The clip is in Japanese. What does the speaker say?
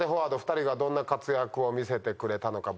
２人がどんな活躍を見せてくれたのか？